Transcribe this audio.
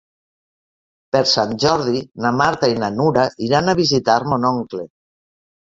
Per Sant Jordi na Marta i na Nura iran a visitar mon oncle.